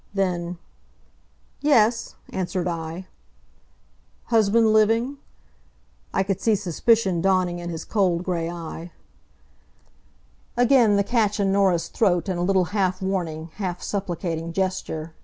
Then "Yes," answered I. "Husband living?" I could see suspicion dawning in his cold gray eye. Again the catch in Norah's throat and a little half warning, half supplicating gesture.